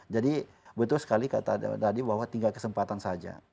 jadi betul sekali kata tadi bahwa tinggal kesempatan saja